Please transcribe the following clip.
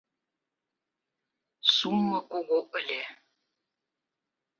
Суммо кугу ыле.